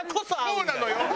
そうなのよ！